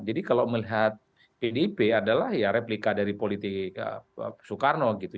jadi kalau melihat pdip adalah ya replika dari politik soekarno gitu